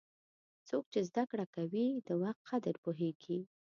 څوک چې زده کړه کوي، د وخت قدر پوهیږي.